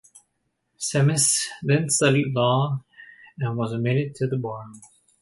Semmes then studied law and was admitted to the bar.